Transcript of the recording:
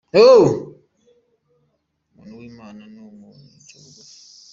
Umuntu w’Imana ni umuntu uca bugufi